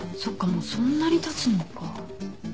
もうそんなにたつのか。